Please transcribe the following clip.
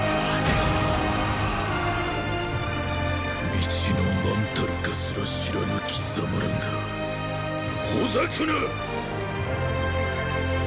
道の何たるかすら知らぬ“貴様ら”がほざくな！